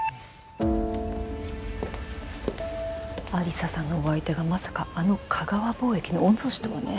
有沙さんのお相手がまさかあのカガワ貿易の御曹司とはね。